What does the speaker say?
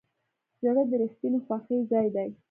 زړه د رښتینې خوښۍ ځای دی.